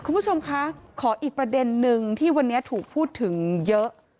คุณผู้ชมคะขออีกประเด็นนึงที่วันนี้ถูกพูดถึงเยอะ